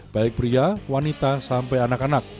baik pria wanita sampai anak anak